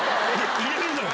入れるなよ